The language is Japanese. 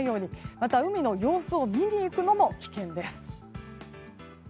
また、海の様子を見に行くのも危険です。